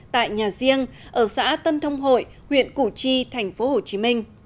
tại nhà riêng ở xã tân thông hội huyện củ chi tp hcm